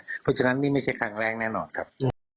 เพราะฉะนั้นนี่ไม่ใช่ครั้งแรกแน่นอนครับ